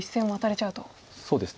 そうですね。